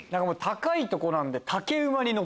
高いとこなんで。